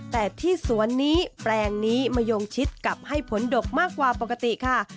แต่ที่สวนนี้แปลงนี้มาโยงชิดกับให้ผลดกมากกว่าปกติค่ะ